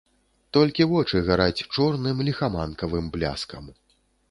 Толькі вочы гараць чорным ліхаманкавым бляскам.